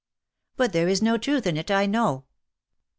But there is no truth in it, I know."